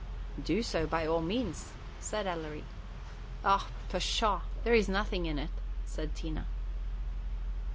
"Do so by all means," said Ellery. "O pshaw! there 's nothing in it," said Tina.